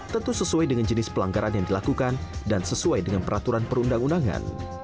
tentu sesuai dengan jenis pelanggaran yang dilakukan dan sesuai dengan peraturan perundang undangan